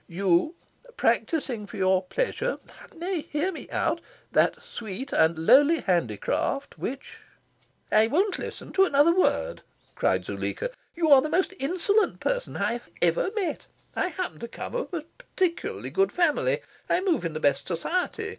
You, practising for your pleasure nay, hear me out! that sweet and lowly handicraft which " "I won't listen to another word!" cried Zuleika. "You are the most insolent person I have ever met. I happen to come of a particularly good family. I move in the best society.